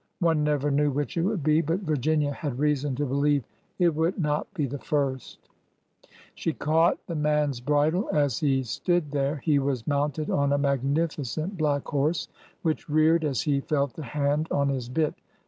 One never knew which it would be, but Virginia had reason to believe it would not be the first. 282 ORDER NO. 11 She caught the man's bridle as he stood there. He was mounted on a magnificent black horse, which reared as he felt the hand on his bit.